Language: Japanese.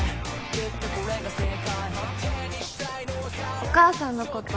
お母さんのこと